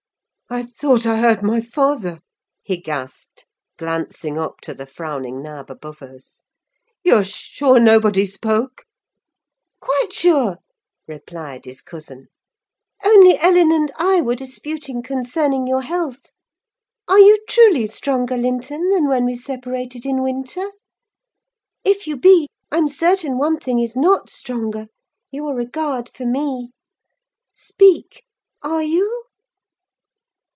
"I thought I heard my father," he gasped, glancing up to the frowning nab above us. "You are sure nobody spoke?" "Quite sure," replied his cousin. "Only Ellen and I were disputing concerning your health. Are you truly stronger, Linton, than when we separated in winter? If you be, I'm certain one thing is not stronger—your regard for me: speak,—are you?"